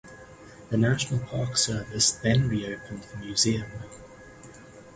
The National Park Service then reopened the museum.